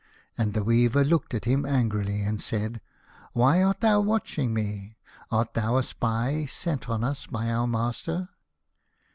And the weaver looked at him angrily, and said, " Why art thou watching me ? Art thou a spy set on us by our master